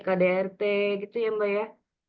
kdrt gitu ya mbak ya